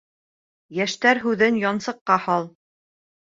Йәштәр һүҙен янсыҡҡа һал.